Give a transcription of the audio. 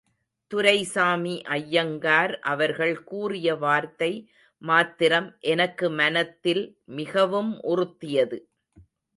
துரைசாமி ஐயங்கார் அவர்கள் கூறிய வார்த்தை மாத்திரம் எனக்கு மனத்தில் மிகவும் உறுத்தியது.